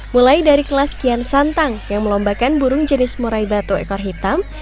mulai dari kelas kian santang yang melombakan burung jenis murai batu ekor hitam